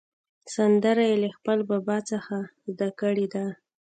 سندره یې له خپل بابا څخه زده کړې ده.